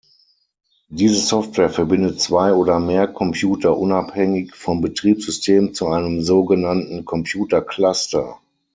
Diese Software verbindet zwei oder mehr Computer unabhängig vom Betriebssystem zu einem sogenannten Computercluster.